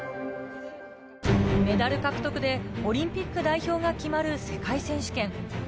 メダル獲得でオリンピック代表が決まる世界選手権。